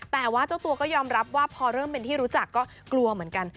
แต่ว่าเจ้าตัวก็ยอมรับว่าพอเริ่มเป็นที่รู้จักก็กลัวเหมือนกัน